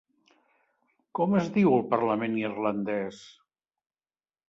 Com es diu el parlament irlandès?